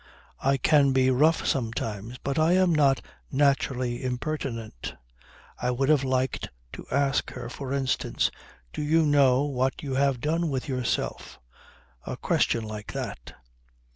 I can be rough sometimes but I am not naturally impertinent. I would have liked to ask her for instance: "Do you know what you have done with yourself?" A question like that.